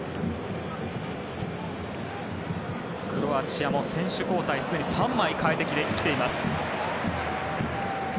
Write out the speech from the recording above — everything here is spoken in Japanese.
クロアチアも選手交代すでに３枚代えてきています。